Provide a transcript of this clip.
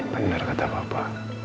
bener kata papa